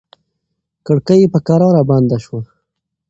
کړکۍ په کراره بنده شوه.